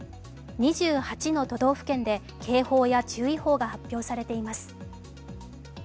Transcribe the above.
２８の都道府県で警報や注意報が発表されています。